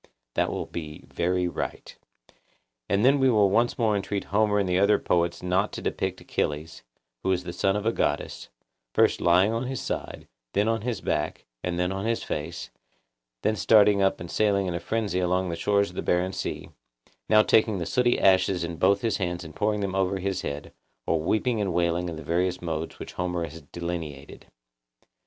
That will be very right. Then we will once more entreat Homer and the other poets not to depict Achilles, who is the son of a goddess, first lying on his side, then on his back, and then on his face; then starting up and sailing in a frenzy along the shores of the barren sea; now taking the sooty ashes in both his hands and pouring them over his head, or weeping and wailing in the various modes which Homer has delineated.